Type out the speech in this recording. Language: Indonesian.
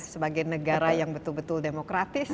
sebagai negara yang betul betul demokratis